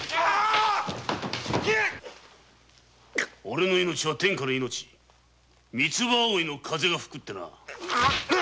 オレの命は天下の命三つ葉葵の風が吹くってな。